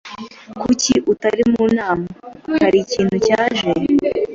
"Kuki utari mu nama?" "Hari ikintu cyaje."